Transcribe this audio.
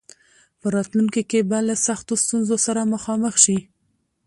په راتلونکي کې به له سختو ستونزو سره مخامخ شي.